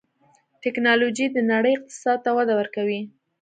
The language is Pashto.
ټکنالوجي د نړۍ اقتصاد ته وده ورکوي.